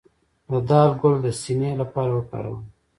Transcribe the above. د دال ګل د سینې لپاره وکاروئ